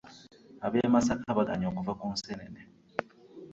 Ab'eMasaka baganye okuva kunsenene .